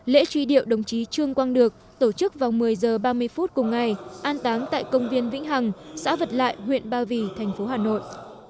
lễ truy điệu đồng chí trương quang được tổ chức vào một mươi h ba mươi phút cùng ngày an táng tại công viên vĩnh hằng xã vật lại huyện ba vì thành phố hà nội